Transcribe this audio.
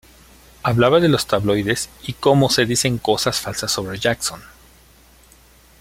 Habla de los tabloides y como se dicen cosas falsas sobre Jackson.